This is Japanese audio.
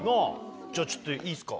じゃあちょっといいすか？